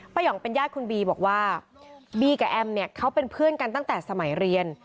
ห่องเป็นญาติคุณบีบอกว่าบีกับแอมเนี่ยเขาเป็นเพื่อนกันตั้งแต่สมัยเรียน